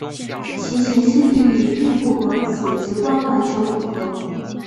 其形式定义并不和此直观完全吻合。